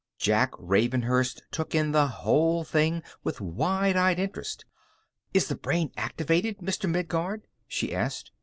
Jack Ravenhurst took in the whole thing with wide eyed interest. "Is the brain activated, Mr. Midguard?" she asked.